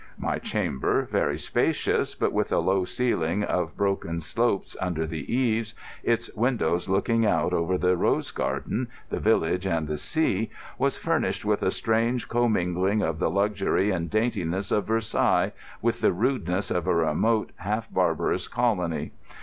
My chamber, very spacious, but with a low ceiling of broken slopes under the eaves, its windows looking out over the rose garden, the village, and the sea, was furnished with a strange commingling of the luxury and daintiness of Versailles with the rudeness of a remote, half barbarous colony.